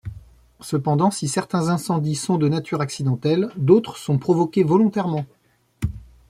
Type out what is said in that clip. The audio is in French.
Cependant, si certains incendies sont de nature accidentelle, d’autres sont provoqués volontairement.